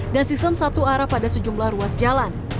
dan sistem satu arah pada sejumlah ruas jalan